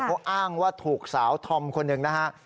เขาอ้างว่าถูกสาวธอมคนหนึ่งนะฮะ